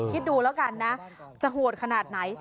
คิดดูแล้วกันนะจะโหดขนาดไหน